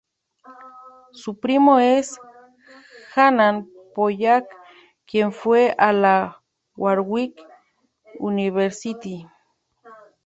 Su primo es Hannah Pollack, quien fue a la Warwick University.